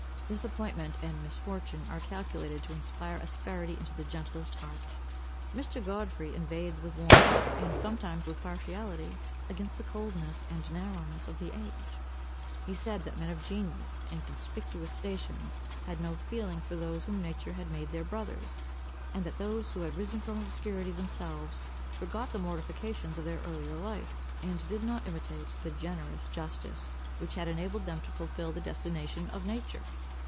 Disappointment and misfortune are calculated to inspire asperity into the gentlest heart. Mr. Godfrey inveighed with warmth, and sometimes with partiality, against the coldness and narrowness of the age. He said, "that men of genius, in conspicuous stations, had no feeling for those whom nature had made their brothers; and that those who had risen from obscurity themselves, forgot the mortifications of their earlier life, and did not imitate the generous justice which had enabled them to fulfil the destination of nature."